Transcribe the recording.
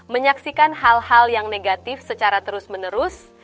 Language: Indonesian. menyaksikan hal hal yang negatif secara terus menerus